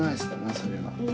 それは。